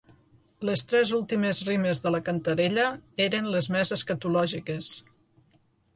Les tres últimes rimes de la cantarella eren les més escatològiques.